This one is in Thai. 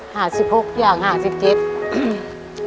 หาสิบหกอย่างหาสิบกิจ